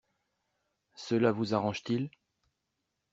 Cela vous arrange-t-il?